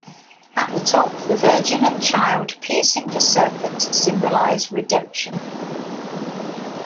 At the top, the Virgin and Child piercing the serpent symbolize redemption.